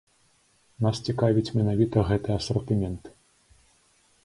Нас цікавіць менавіта гэты асартымент.